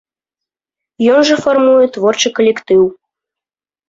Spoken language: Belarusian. Ён жа фармуе творчы калектыў.